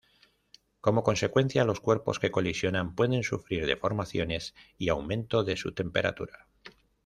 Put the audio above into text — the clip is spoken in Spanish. Como consecuencia, los cuerpos que colisionan pueden sufrir deformaciones y aumento de su temperatura.